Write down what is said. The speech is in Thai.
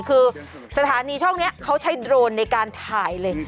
คือสถานีช่องนี้เขาใช้โดรนในการถ่ายเลย